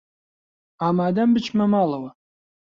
ئامادەم بچمە ماڵەوە.